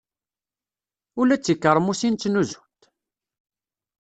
Ula d tikermusin ttnuzunt!